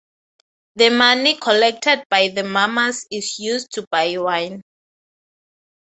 The money collected by the mummers is used to buy wine.